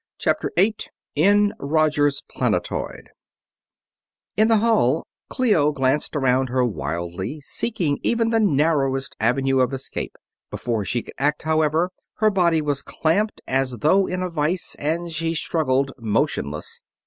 CHAPTER 8 IN ROGER'S PLANETOID In the hall Clio glanced around her wildly, seeking even the narrowest avenue of escape. Before she could act, however, her body was clamped as though in a vise, and she struggled, motionless.